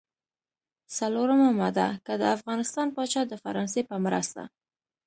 څلورمه ماده: که د افغانستان پاچا د فرانسې په مرسته.